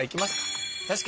確かに。